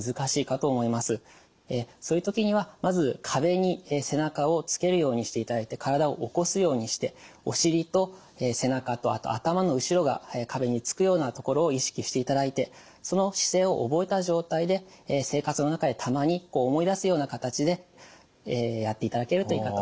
そういう時にはまず壁に背中をつけるようにしていただいて体を起こすようにしてお尻と背中とあと頭の後ろが壁につくようなところを意識していただいてその姿勢を覚えた状態で生活の中でたまに思い出すような形でやっていただけるといいかと思います。